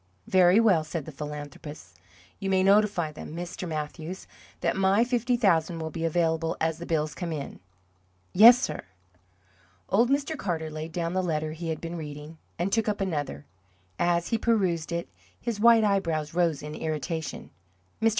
"Very well," said the philanthropist. "You may notify them, Mr. Mathews, that my fifty thousand will be available as the bills come in." "Yes, sir." Old Mr. Carter laid down the letter he had been reading, and took up another. As he perused it his white eyebrows rose in irritation. "Mr.